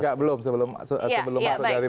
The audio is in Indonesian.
enggak belum sebelum masuk dari mas kadi